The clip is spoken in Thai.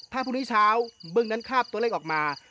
ถ้าพรุ่งนี้เช้าบึงนั้นคาบตัวเลขออกมา